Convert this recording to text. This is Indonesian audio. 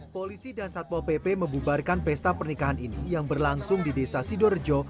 polisi dan satpol pp membubarkan pesta pernikahan ini yang berlangsung di desa sidorejo